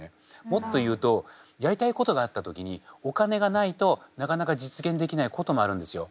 もっと言うとやりたいことがあった時にお金がないとなかなか実現できないこともあるんですよ。